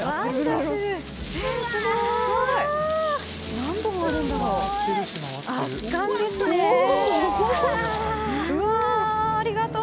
何本あるんだろう。